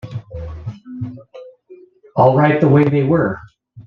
All right the way they were.